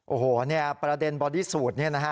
โอ้โหเนี่ยประเด็นบอดี้สูตรนี่นะฮะ